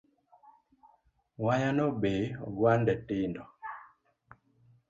Wayano be ogwande tindo